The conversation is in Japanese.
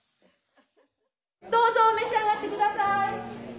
どうぞ召し上がって下さい。